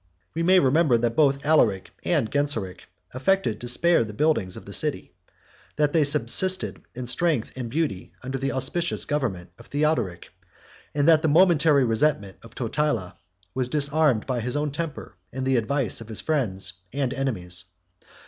We may remember, that both Alaric and Genseric affected to spare the buildings of the city; that they subsisted in strength and beauty under the auspicious government of Theodoric; 23 and that the momentary resentment of Totila 24 was disarmed by his own temper and the advice of his friends and enemies.